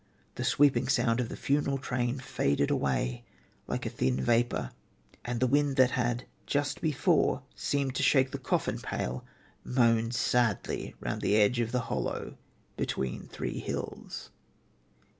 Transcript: The sweeping sound of the funeral train faded away like a thin vapour and the wind that just before had seemed to shake the coffin pall moaned sadly round the verge of the hollow between three hills."